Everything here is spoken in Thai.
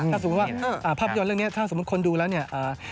ถ้าสมมุติว่าภาพยนตร์เรื่องนี้ถ้าสมมุติคนดูแล้วเนี่ย